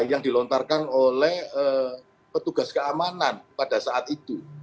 yang dilontarkan oleh petugas keamanan pada saat itu